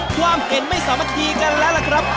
ความเห็นไม่สามัคคีกันแล้วล่ะครับ